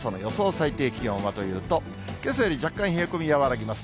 最低気温はというと、けさより若干冷え込み和らぎます。